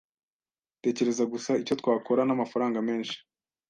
Tekereza gusa icyo twakora n'amafaranga menshi.